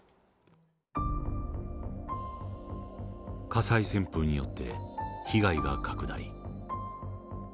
火災旋風によって被害が拡大。